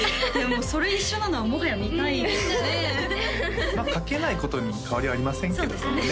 もうそれ一緒なのはもはや見たいですよねまあ描けないことに変わりはありませんけれどもね